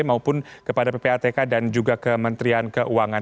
maupun kepada ppatk dan juga kementerian keuangan